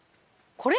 これ？